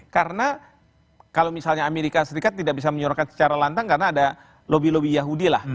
karena kalau misalnya amerika serikat tidak bisa menyuarakan secara lantang karena ada lobby lobby yahudi lah